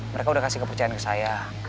mereka udah kasih kepercayaan ke saya